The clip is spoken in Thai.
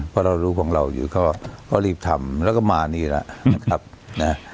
เพราะเรารู้ของเราอยู่ก็รีบทำแล้วก็มานี่แหละนะครับนะ